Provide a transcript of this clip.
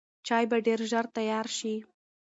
چای به ډېر ژر تیار شي.